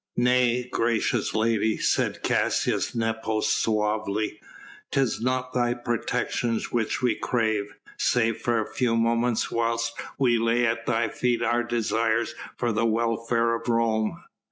"Nay, gracious lady!" said Caius Nepos suavely, "'tis not thy protection which we crave, save for a few moments whilst we lay at thy feet our desires for the welfare of Rome."